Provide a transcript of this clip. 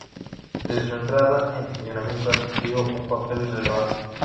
Desde su entrada en funcionamiento adquirió un papel relevante.